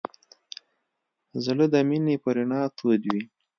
زړه د مینې په رڼا تود وي.